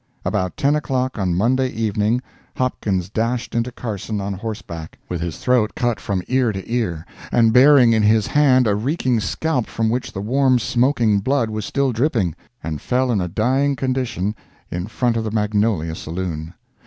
About ten o'clock on Monday evening Hopkins dashed into Carson on horseback, with his throat cut from ear to ear, and bearing in his hand a reeking scalp from which the warm, smoking blood was still dripping, and fell in a dying condition in front of the Magnolia saloon.